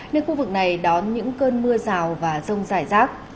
nên khu vực này đón những cơn mưa rào và rông rải rác